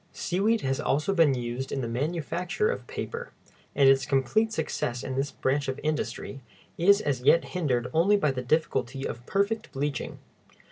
Seaweed has also been used in the manufacture of paper, and its complete success in this branch of industry is as yet hindered only by the difficulty of perfect bleaching.